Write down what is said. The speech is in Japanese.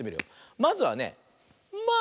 まずはね「まあ！」。